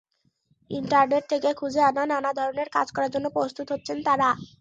Internet থেকে খুঁজে আনা নানা ধরনের কাজ করার জন্য প্রস্তুত হচ্ছেন তাঁরা।